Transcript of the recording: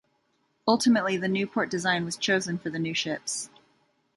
Ultimately, the Newport design was chosen for the new ships.